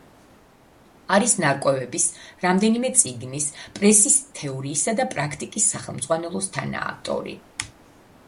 არის ნარკვევების, რამდენიმე წიგნის, „პრესის თეორიისა და პრაქტიკის“ სახელმძღვანელოს თანაავტორი.